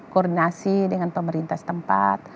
koordinasi dengan pemerintah setempat